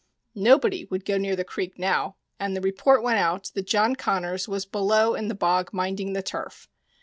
Nobody would go near the creek now, and the report went out that John Connors was below in the bog minding the turf.